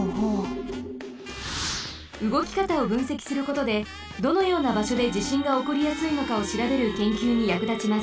うごきかたをぶんせきすることでどのようなばしょでじしんがおこりやすいのかをしらべるけんきゅうにやくだちます。